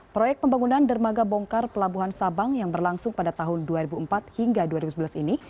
proyek pembangunan dermaga bongkar pelabuhan sabang yang berlangsung pada tahun dua ribu empat hingga dua ribu sebelas ini